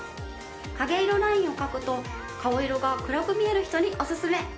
影色ラインを描くと顔色が暗く見える人におすすめ！